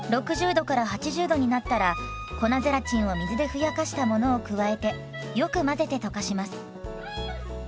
℃から８０℃になったら粉ゼラチンを水でふやかしたものを加えてよく混ぜて溶かします。